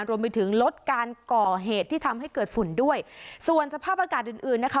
รวมไปถึงลดการก่อเหตุที่ทำให้เกิดฝุ่นด้วยส่วนสภาพอากาศอื่นอื่นนะคะ